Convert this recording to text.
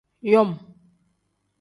Yom.